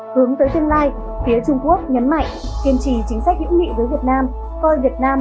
hướng tới tương lai phía trung quốc nhấn mạnh kiên trì chính sách hữu nghị với việt nam